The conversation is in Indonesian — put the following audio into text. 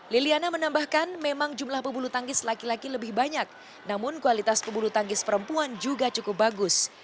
liliana menambahkan memang jumlah pebulu tangkis laki laki lebih banyak namun kualitas pebulu tangkis perempuan juga cukup bagus